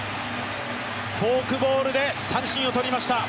フォークボールで三振を取りました。